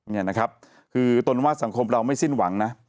นี่นะครับคือตนว่าสังคมเราไม่สิ้นหวังนะ